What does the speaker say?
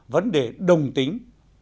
vấn đề đồng tính